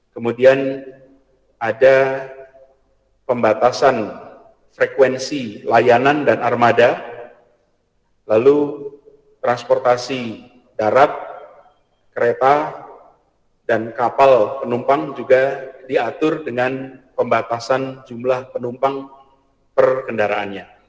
kemudian ada pembatasan frekuensi layanan dan armada lalu transportasi darat kereta dan kapal penumpang juga diatur dengan pembatasan jumlah penumpang per kendaraannya